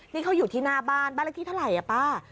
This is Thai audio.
นี่เขาอยู่ที่หน้าบ้านบ้านเลขที่เท่าไหร่อ่ะป้า